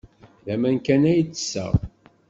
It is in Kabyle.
D aman kan ay ttesseɣ.